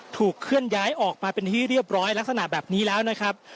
เคลื่อนย้ายออกมาเป็นที่เรียบร้อยลักษณะแบบนี้แล้วนะครับ